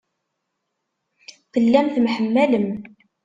Tellam temḥemmalem.